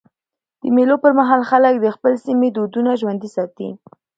د مېلو پر مهال خلک د خپل سیمي دودونه ژوندي ساتي.